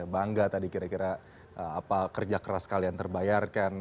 bangga tadi kira kira apa kerja keras kalian terbayarkan